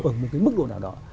ở một cái mức độ nào đó